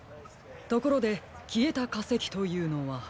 ところできえたかせきというのは？